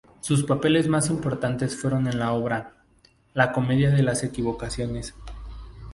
Sus papeles más importantes fueron en la obra "La comedia de las equivocaciones".